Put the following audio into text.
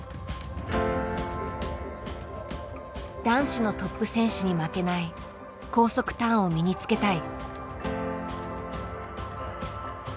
男子のトップ選手に負けない高速ターンを身につけたい。